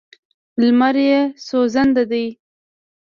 لمر یې سوځنده دی.